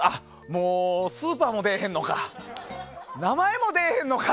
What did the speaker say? もうスーパーも出えへんのか。